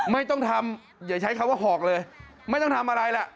ไม่ต้องทำอย่าใช้คำว่าหอกเลยไม่ต้องทำอะไรล่ะ